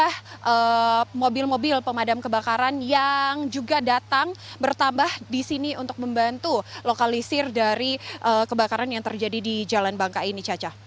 ada mobil mobil pemadam kebakaran yang juga datang bertambah di sini untuk membantu lokalisir dari kebakaran yang terjadi di jalan bangka ini caca